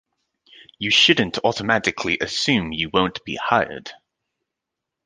You shouldn't automatically assume you won't be hired.